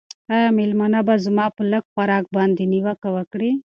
آیا مېلمانه به زما په لږ خوراک باندې نیوکه وکړي؟